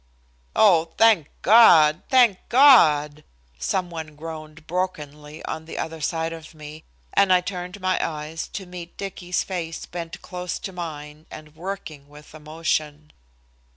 "Oh, thank God, thank God," some one groaned brokenly on the other side of me, and I turned my eyes to meet Dicky's face bent close to mine and working with emotion.